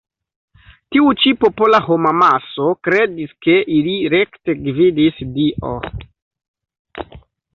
Tiu ĉi popola homamaso kredis ke ilin rekte gvidis Dio.